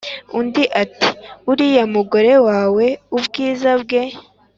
undi ati"uriya mugore wawe ubwiza bwe